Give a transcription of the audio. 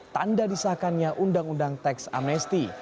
tanda disahkannya undang undang teks amnesti